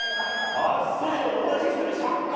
あっそうでも同じ人に３回。